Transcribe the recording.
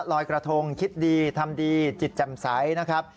ลอยกระทงคิดดีทำดีจิตแจ่มใสนะครับ